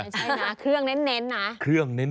ใช่นะเครื่องเน้นนะ